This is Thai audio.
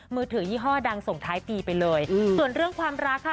มือถือยี่ห้อดังส่งท้ายปีไปเลยส่วนเรื่องความรักค่ะ